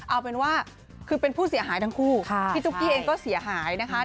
เอาเป็นว่าคือเป็นผู้เสียหายทั้งคู่พี่ตุ๊กกี้เองก็เสียหายนะคะ